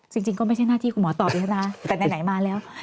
จริงก็ไม่ใช่หน้าที่คุณหมอตอบแล้วนะแต่ไหนมาแล้ว